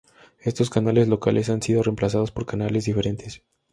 Estos canales locales han sido reemplazados por canales diferentes.